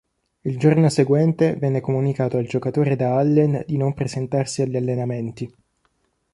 Il giorno seguente venne comunicato al giocatore da Allen di non presentarsi agli allenamenti.